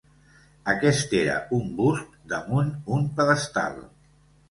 Aquest era un bust damunt un pedestal.